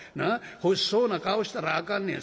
欲しそうな顔したらあかんねや。